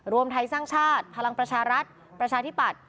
รวมไทยสร้างชาติพลังประชารัฐประชาธิปัตย